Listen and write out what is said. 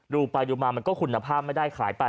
ดูไปดูมามันก็คุณภาพไม่ได้ขายไป